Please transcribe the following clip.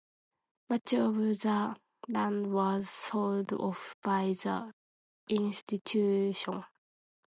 Much of the land was sold off by the institution.